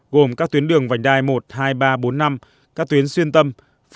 gồm các tuyến đường vành đai một hai ba bốn năm các tuyến xuyên tâm